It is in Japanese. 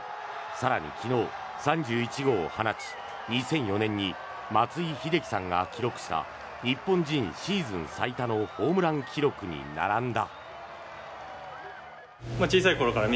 更に昨日、３１号を放ち２００４年に松井秀喜さんが記録した日本人シーズン最多のホームラン記録に並んだ。